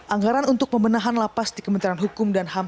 anggaran untuk pembenahan lapas di kementerian hukum dan ham